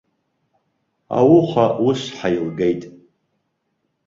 Ауха ус ҳаилгеит.